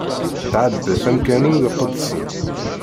Tthabet amkan-iw iqedsen.